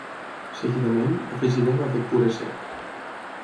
Seguidament, afegirem a aquest puré sec.